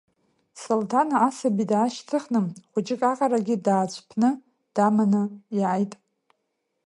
Солҭан асаби даашьҭыхны, хәыҷык аҟарагьы даацәԥны, даманы иааит.